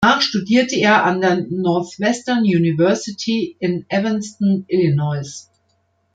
Danach studierte er an der Northwestern University in Evanston, Illinois.